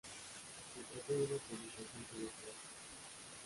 Se trata de una publicación semestral.